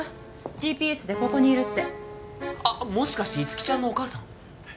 ＧＰＳでここにいるってあっもしかしていつきちゃんのお母さん？